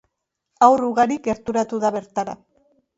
Haur ugari gerturatu da bertara.